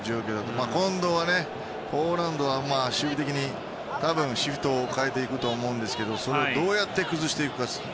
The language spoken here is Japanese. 今度はポーランドは守備的に多分、シフトを変えていくと思うんですけどそれをどうやって崩していくか。